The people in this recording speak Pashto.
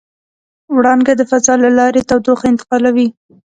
وړانګه د فضا له لارې تودوخه انتقالوي.